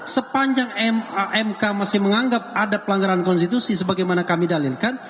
sepanjang mk masih menganggap ada pelanggaran konstitusi sebagaimana kami dalilkan